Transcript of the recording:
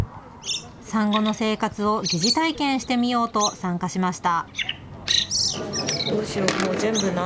産後の生活を疑似体験してみようと参加しました。